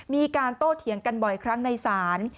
มีการโตเถียงกันบ่อยครั้งในศาล